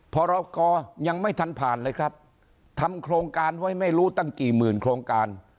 พรกรยังไม่ทันผ่านเลยครับทำโครงการไว้ไม่รู้ตั้งกี่หมื่นโครงการ